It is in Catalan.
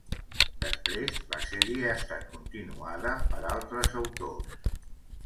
Després, la sèrie ha estat continuada per altres autors.